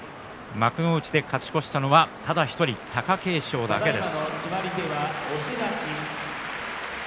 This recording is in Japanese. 幕内で勝ち越したのは、ただ１人貴景勝だけです。